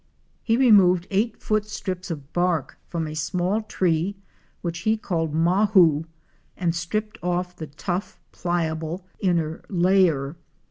He removed eight foot strips of bark from a small tree which he called Mahoo and stripped off the tough pliable inner layer.